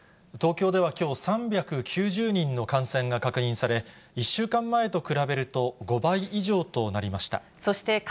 東京ではきょう、３９０人の感染が確認され、１週間前と比べると５倍以上となりました。